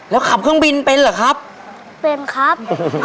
แล้วขับเครื่องบินเป็นเหรอครับเป็นครับ